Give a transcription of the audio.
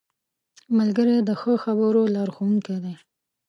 ملګری د ښو خبرو لارښوونکی دی